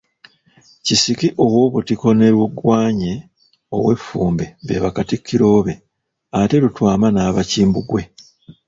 Kisiki ow'Obutiko ne Lugwanye ow'Effumbe be Bakatikkiro be, ate Lutwama n'aba Kimbugwe.